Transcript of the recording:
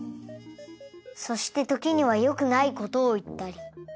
そして時には良くない事を言ったり。